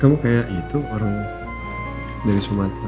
kamu kayak itu orang dari sumatera